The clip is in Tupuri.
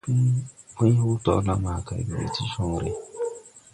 Pũy hoo torla ma kay ge be ti jonre.